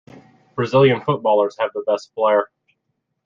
Brazilian footballers have the best flair.